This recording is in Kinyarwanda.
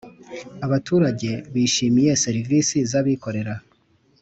abaturage bishimiye serivisi z abikorera